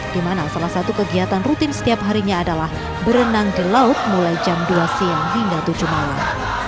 di mana salah satu kegiatan rutin setiap harinya adalah berenang di laut mulai jam dua siang hingga tujuh malam